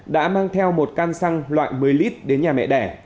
đã mang theo một căn xăng loại một mươi lít đến nhà mẹ đẻ